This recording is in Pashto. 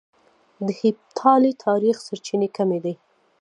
د هېپتالي تاريخ سرچينې کمې دي